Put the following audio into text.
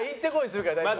するから大丈夫。